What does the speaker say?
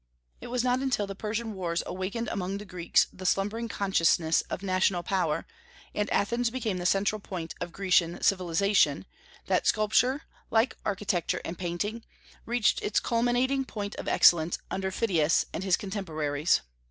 It was not until the Persian wars awakened among the Greeks the slumbering consciousness of national power, and Athens became the central point of Grecian civilization, that sculpture, like architecture and painting, reached its culminating point of excellence under Phidias and his contemporaries.